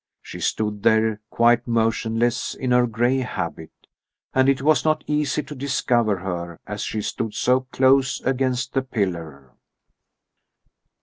She stood there quite motionless in her gray habit, and it was not easy to discover her, as she stood so close against the pillar.